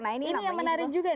nah ini yang menarik juga